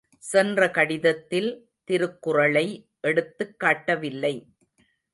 சென்ற கடிதத்தில் திருக்குறளை எடுத்துக் காட்டவில்லை!